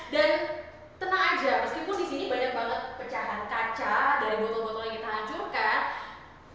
dan tenang aja meskipun disini banyak banget pecahan kaca dari botol botol yang kita hancurkan